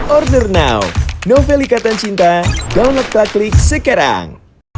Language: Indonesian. order now novelikatan cinta download klik klik sekarang